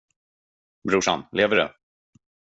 Brorsan, lever du?